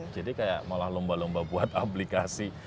jadi kayak malah lomba lomba buat aplikasi